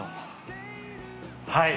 はい！